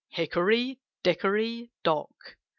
' Hickory, dickory, dock.